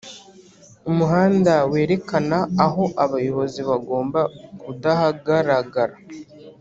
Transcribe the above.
umuhanda werekana aho abayobozi bagomba kudahagaragara